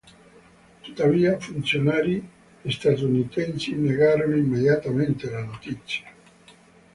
Tuttavia, funzionari statunitensi negarono immediatamente la notizia.